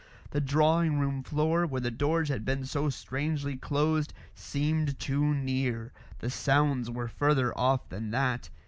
The drawing room floor, where the doors had been so strangely closed, seemed too near; the sounds were further off than that.